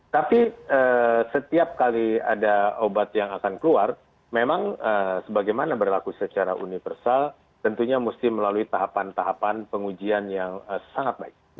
tapi setiap kali ada obat yang akan keluar memang sebagaimana berlaku secara universal tentunya mesti melalui tahapan tahapan pengujian yang sangat baik